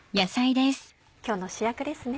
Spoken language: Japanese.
今日の主役ですね。